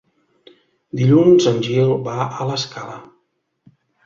Dilluns en Gil va a l'Escala.